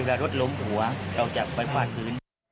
เวลารถล้มหัวเราจะไปกว่าพื้น